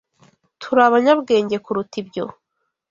Turi abanyabwenge kuruta ibyo.